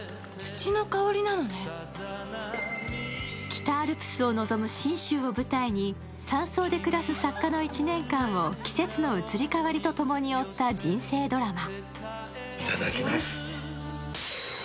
北アルプスを望む信州を舞台に山荘で暮らす作家の１年間を季節の移り変わりとともに追った人生ドラマ。